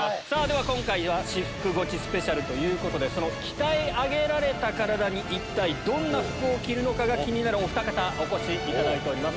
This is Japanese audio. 今回は「私服ゴチＳＰ」ということで鍛え上げられた体に一体どんな服を着るのかが気になるおふた方にお越しいただいております。